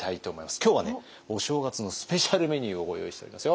今日はねお正月のスペシャルメニューをご用意しておりますよ。